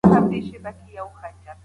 واکدار باید د خپلو رعیتونو خیال وساتي.